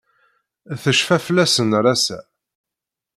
Tecfa fell-asen ar ass-a.